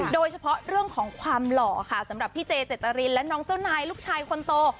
โดยเฉพาะเรื่องของความหล่อค่ะสำหรับพี่เจเจตรินและน้องเจ้านายลูกชายคนโต